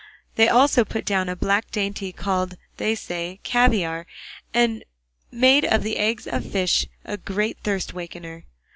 They also put down a black dainty called, they say, caviar, and made of the eggs of fish, a great thirst wakener.